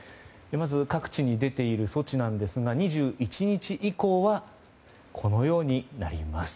まず各地に出ている措置ですが２１日以降はこのようになります。